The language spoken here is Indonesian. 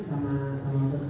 gue yang konduh